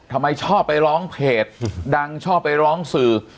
ทำไมชอบไปร้องเพจดังชอบไปร้องสื่อ